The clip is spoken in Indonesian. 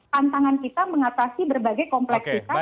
tantangan kita mengatasi berbagai kompleksitas